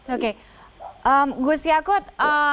oke gus yakut